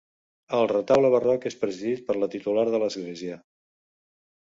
El retaule barroc és presidit per la titular de l'església.